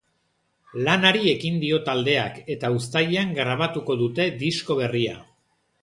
Lanari ekin dio taldeak eta uztailean grabatuko dute disko berria.